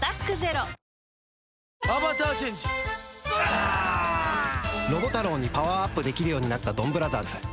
ロボタロウにパワーアップできるようになったドンブラザーズ